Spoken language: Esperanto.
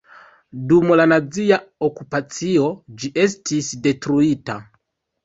Dum la nazia okupacio ĝi estis detruita.